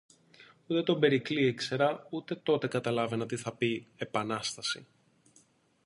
Ούτε τον Περικλή ήξερα ούτε τότε καταλάβαινα τι θα πει «Επανάσταση»